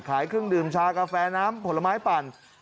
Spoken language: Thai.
เครื่องดื่มชากาแฟน้ำผลไม้ปั่น